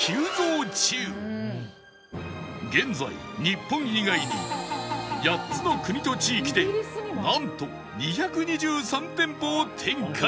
現在日本以外に８つの国と地域でなんと２２３店舗を展開